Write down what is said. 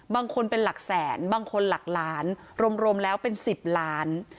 บางคนเป็นหลักแสนบางคนหลักล้านรวมแล้วเป็น๑๐ล้าน